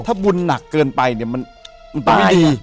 ถ้าบุญหนักเกินไปเนี่ยมันตาย